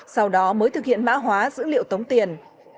sau đó mới thực hiện mã hóa dữ liệu tống tiền